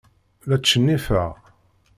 La tcennifeɣ.